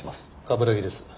冠城です。